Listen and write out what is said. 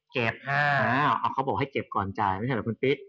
เขาบอกให้เก็บก่อนจ่ายไม่ใช่เหรอคุณปิ๊ก